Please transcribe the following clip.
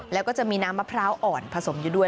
แล้วก็จะมีน้ำมะพร้าวอ่อนผสมอยู่ด้วย